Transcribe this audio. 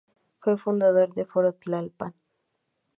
Fue fundador del Foro Tlalpan.